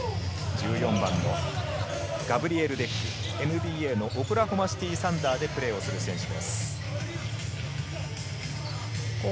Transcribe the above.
１４番のガブリエル・デック、ＮＢＡのオクラホマシティ・サンダーでプレーをする選手です。